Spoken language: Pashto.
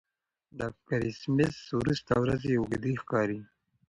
د کرېسمېس وروسته ورځې اوږدې ښکاري.